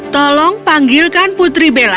tolong panggilkan putri bella